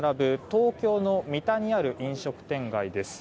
東京の三田にある飲食店街です。